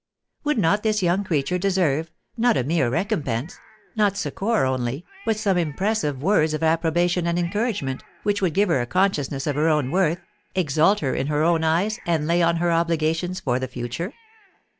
Would not this young creature deserve, not a mere recompense, not succour only, but some impressive words of approbation and encouragement, which would give her a consciousness of her own worth, exalt her in her own eyes, and lay on her obligations for the future?